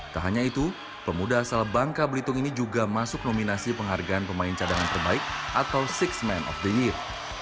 tak hanya itu pemuda asal bangka belitung ini juga masuk nominasi penghargaan pemain cadangan terbaik atau enam of the year